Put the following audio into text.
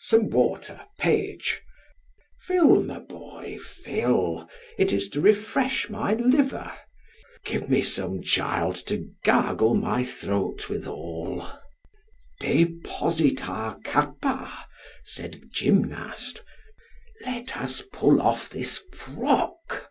Some water, page; fill, my boy, fill; it is to refresh my liver. Give me some, child, to gargle my throat withal. Deposita cappa, said Gymnast, let us pull off this frock.